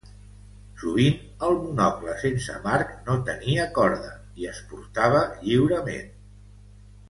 Sovint, el monocle sense marc no tenia corda i es portava lliurement.